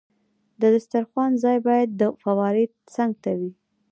د دسترخوان ځای باید د فوارې څنګ ته وي.